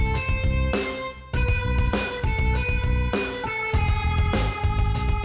ya setan mah takutnya sama manusia